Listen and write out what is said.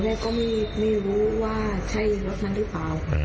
ตอนแรกก็ไม่็ไม่รู้ว่าใช่รถถันรึเปล่า